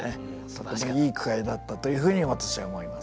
とてもいい句会だったというふうに私は思います。